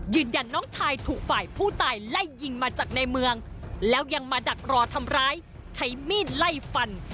น้องชายถูกฝ่ายผู้ตายไล่ยิงมาจากในเมืองแล้วยังมาดักรอทำร้ายใช้มีดไล่ฟัน